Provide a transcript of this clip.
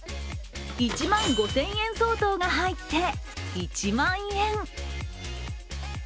１万５０００円相当が入って１万円。